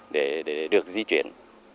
để được di chuyển